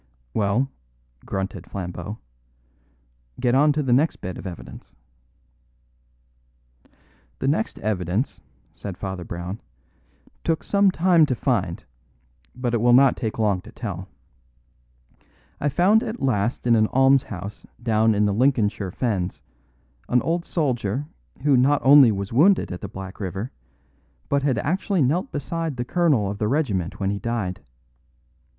"Well," grunted Flambeau, "get on to the next bit of evidence." "The next evidence," said Father Brown, "took some time to find, but it will not take long to tell. I found at last in an almshouse down in the Lincolnshire Fens an old soldier who not only was wounded at the Black River, but had actually knelt beside the colonel of the regiment when he died.